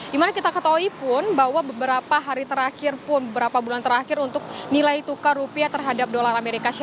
dimana kita ketahui pun bahwa beberapa hari terakhir pun beberapa bulan terakhir untuk nilai tukar rupiah terhadap dolar amerika